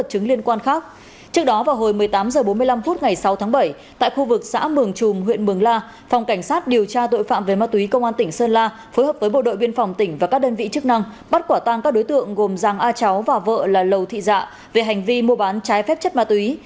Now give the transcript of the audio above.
trước đó vào hồi một mươi tám h bốn mươi năm phút ngày sáu tháng bảy tại khu vực xã mường trùm huyện mường la phòng cảnh sát điều tra tội phạm về ma túy công an tỉnh sơn la phối hợp với bộ đội biên phòng tỉnh và các đơn vị chức năng bắt quả tang các đối tượng gồm giàng a cháu và vợ là lầu thị dạ về hành vi mua bán trái phép chất ma túy